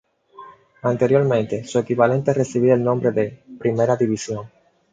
Anteriormente su equivalente recibía el nombre de "Primera División".